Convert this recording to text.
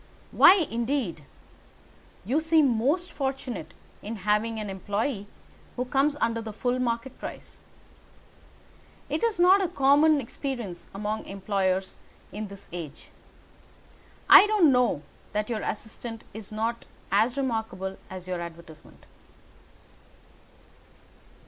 "Why, indeed? You seem most fortunate in having an employé who comes under the full market price. It is not a common experience among employers in this age. I don't know that your assistant is not as remarkable as your advertisement."